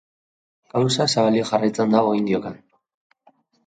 Kausa zabalik jarraitzen du oraindik.